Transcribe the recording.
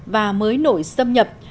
và mới nổi xâm nhập